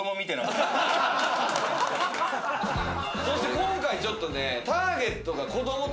そして今回ちょっとね。